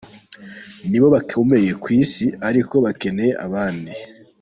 Ni bo bakomeye ku isi ariko bakenera abandi.